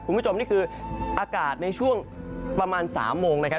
คุณผู้ชมนี่คืออากาศในช่วงประมาณ๓โมงนะครับ